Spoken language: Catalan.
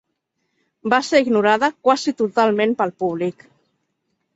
Va ser ignorada quasi totalment pel públic.